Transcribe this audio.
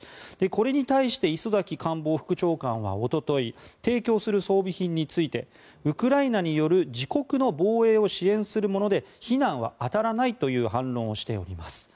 これに対して、磯崎官房副長官はおととい提供する装備品についてウクライナによる自国の防衛を支援するもので非難は当たらないという反論をしております。